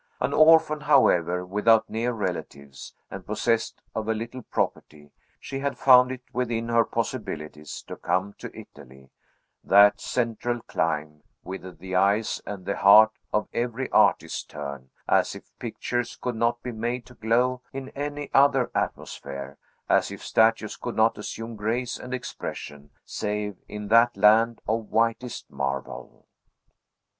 An orphan, however, without near relatives, and possessed of a little property, she had found it within her possibilities to come to Italy; that central clime, whither the eyes and the heart of every artist turn, as if pictures could not be made to glow in any other atmosphere, as if statues could not assume grace and expression, save in that land of whitest marble.